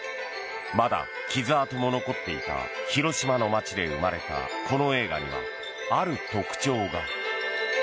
まだ傷痕も残っていた広島の街で生まれたこの映画には、ある特徴が。